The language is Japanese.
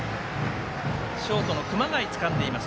ショートの熊谷がつかんでいます。